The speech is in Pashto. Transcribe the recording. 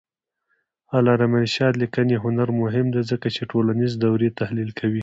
د علامه رشاد لیکنی هنر مهم دی ځکه چې ټولنیز دورې تحلیل کوي.